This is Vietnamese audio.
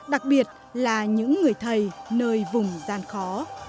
đặc biệt là những người thầy nơi vùng gian khó